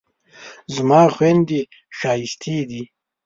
زما خویندې ښایستې دي